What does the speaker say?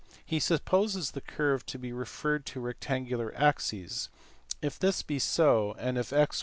He supposes the curve to be referred to rectangular axes ; if this be so, and if (x